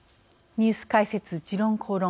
「ニュース解説時論公論」。